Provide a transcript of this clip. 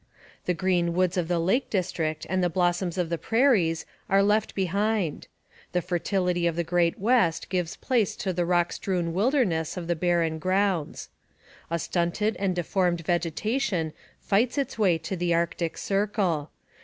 The green woods of the lake district and the blossoms of the prairies are left behind. The fertility of the Great West gives place to the rock strewn wilderness of the barren grounds. A stunted and deformed vegetation fights its way to the Arctic Circle.